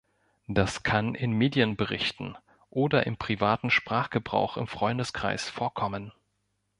Das kann in Medienberichten oder im privaten Sprachgebrauch im Freundeskreis vorkommen.